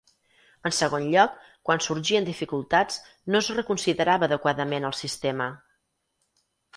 En segon lloc, quan sorgien dificultats, no es reconsiderava adequadament el sistema.